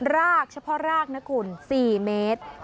รากเฉพาะรากนะคุณ๔เมตร